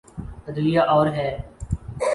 عدلیہ اور ہے۔